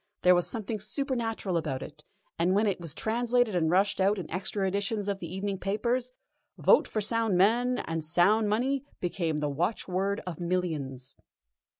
There was something supernatural about it, and when it was translated and rushed out in extra editions of the evening papers: "Vote for sound men and sound money" became the watchword of millions.